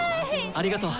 ありがとう。